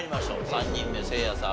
３人目せいやさん